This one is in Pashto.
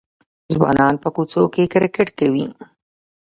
ځوانان په کوڅو کې کرکټ کوي.